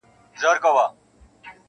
یو سړی په اصفهان کي دوکاندار وو-